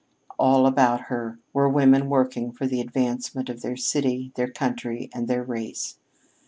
All about her were women working for the advancement of their city, their country, and their race.